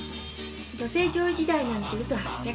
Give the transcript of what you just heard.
女性上位時代なんてうそ八百。